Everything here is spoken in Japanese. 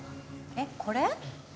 えっこれ？